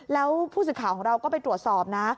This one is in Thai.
แล้วผู้สื่อข่าวของเราก็ไปตรวจสอบนะ